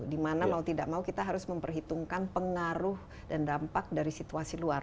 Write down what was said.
dimana mau tidak mau kita harus memperhitungkan pengaruh dan dampak dari situasi luar